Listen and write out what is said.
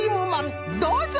どうぞ！